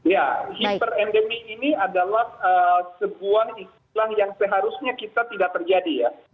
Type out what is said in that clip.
ya hiperendemi ini adalah sebuah istilah yang seharusnya kita tidak terjadi ya